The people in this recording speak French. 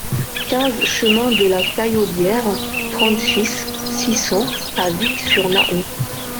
quinze chemin de la Caillaudière, trente-six, six cents à Vicq-sur-Nahon